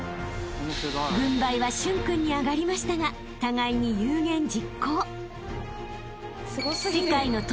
［軍配は駿君にあがりましたが互いに有言実行］